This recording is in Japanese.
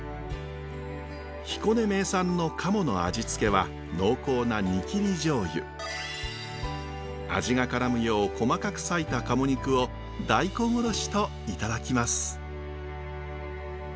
彦根名産の鴨の味付けは濃厚な味がからむよう細かく割いた鴨肉を大根おろしといただきます。